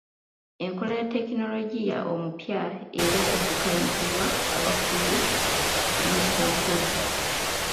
Enkola ya tekinologiya omupya era eddukanyizibwa abakugu mu kompyuta.